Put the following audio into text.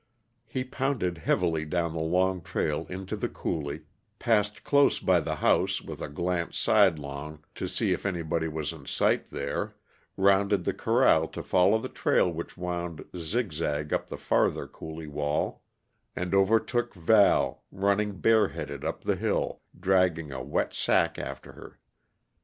He pounded heavily down the long trail into the coulee, passed close by the house with a glance sidelong to see if anybody was in sight there, rounded the corral to follow the trail which wound zigzag up the farther coulee wall, and overtook Val, running bareheaded up the hill, dragging a wet sack after her.